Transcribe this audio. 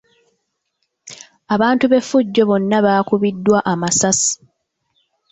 Abantu b'effujjo bonna baakubiddwa amasasi.